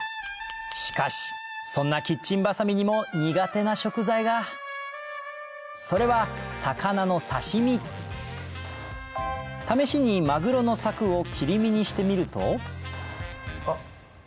しかしそんなキッチンバサミにも苦手な食材がそれは魚の刺し身試しにマグロのサクを切り身にしてみるとあっ。